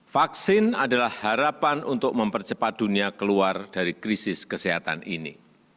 vaksin adalah harapan untuk mempercepat dunia keluar dari krisis kesehatan ini